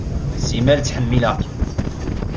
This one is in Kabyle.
Simmal ttḥemmileɣ-kem.